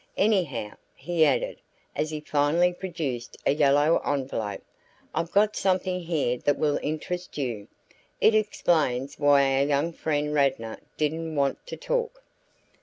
Anyhow," he added, as he finally produced a yellow envelope, "I've got something here that will interest you. It explains why our young friend Radnor didn't want to talk."